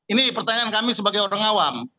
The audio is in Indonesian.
ini pertanyaan kami sebagai orang awam